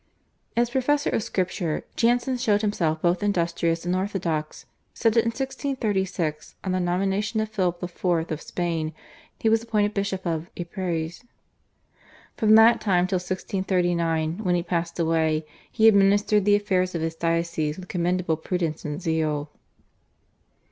As professor of Scripture Jansen showed himself both industrious and orthodox, so that in 1636 on the nomination of Philip IV. of Spain he was appointed Bishop of Ypres. From that time till 1639, when he passed away, he administered the affairs of his diocese with commendable prudence and zeal.